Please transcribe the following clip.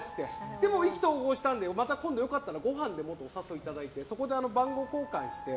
でも意気投合したんでまた今度良かったらごはんでもってお誘いいただいてそこで番号交換して。